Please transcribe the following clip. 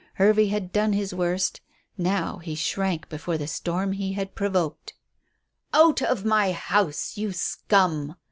Hervey had done his worst; now he shrank before the storm he had provoked. "Out of my house, you scum!"